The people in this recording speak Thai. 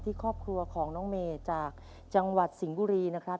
ครอบครัวของน้องเมย์จากจังหวัดสิงห์บุรีนะครับ